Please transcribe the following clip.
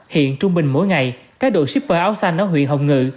hiện trung bình mỗi ngày các đội shipper áo xanh ở huyện hồng ngự